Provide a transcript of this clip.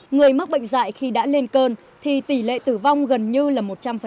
người mắc bệnh dạy khi đã lên cơn thì tỷ lệ tử vong gần như là một trăm linh